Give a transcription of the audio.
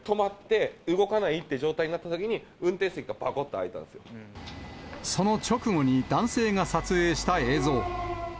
ここにぶつかって、で、止まって、動かないっていう状態になったときに運転席がばこっと開いたんでその直後に男性が撮影した映像。